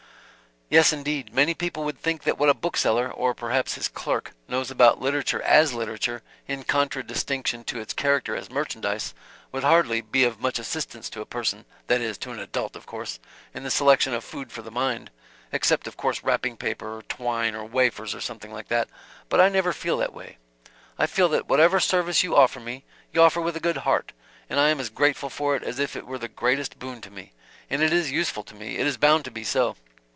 "Yes, indeed. Many people would think that what a bookseller or perhaps his clerk knows about literature as literature, in contradistinction to its character as merchandise, would hardly, be of much assistance to a person that is, to an adult, of course in the selection of food for the mind except of course wrapping paper, or twine, or wafers, or something like that but I never feel that way. I feel that whatever service you offer me, you offer with a good heart, and I am as grateful for it as if it were the greatest boon to me. And it is useful to me it is bound to be so.